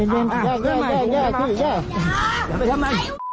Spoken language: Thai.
อย่า